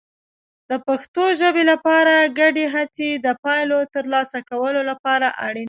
د پښتو ژبې لپاره ګډې هڅې د پایلو ترلاسه کولو لپاره اړین دي.